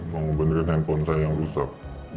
mau benerin handphone saya yang rusak